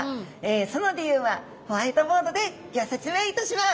その理由はホワイトボードでギョ説明いたします。